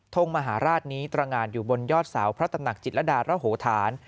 ทรงมหาราชนี้ตรังงานอยู่บนยอดเสาพระตำนักจิตระดาษหลัวโหฐาน